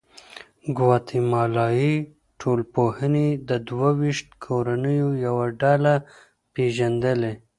ګواتیمالایي ټولنپوهې د دوه ویشت کورنیو یوه ډله پېژندلې.